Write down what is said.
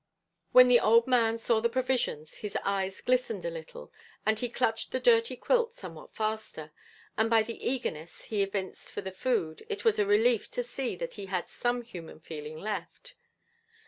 When the old man saw the provisions his eyes glistened a little, and he clutched the dirty quilt somewhat faster, and by the eagerness he evinced for the food it was a relief to see that he had some human feeling left.